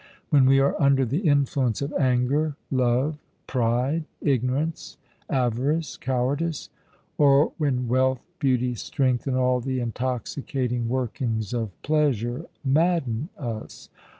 when we are under the influence of anger, love, pride, ignorance, avarice, cowardice? or when wealth, beauty, strength, and all the intoxicating workings of pleasure madden us?